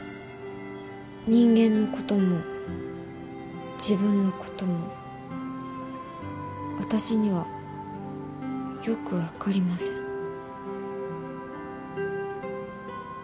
人間のことも自分のことも私にはよくわかりません。